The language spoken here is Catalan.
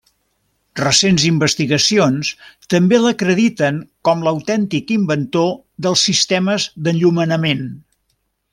Recents investigacions, també l'acrediten com l'autèntic inventor dels sistemes d'enllumenament.